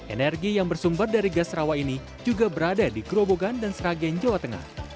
energi yang bersumber dari gas rawa ini juga berada di grobogan dan sragen jawa tengah